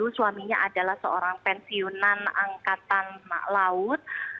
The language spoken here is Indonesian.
suaminya adalah seorang pensiunan angkatan laut